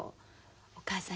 お母さん